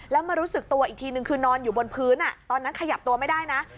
แล้วมารู้สึกตัวอีกทีนึงคือนอนอยู่บนพื้นตอนนั้นขยับตัวไม่ได้นะ